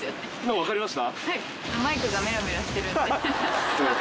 分かりました。